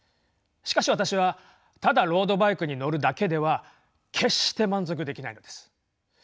しかし私はただロードバイクに乗るだけでは決して満足できないのです。